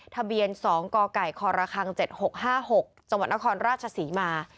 ทะเบียน๒กกคค๗๖๕๖จนครราชศรีมา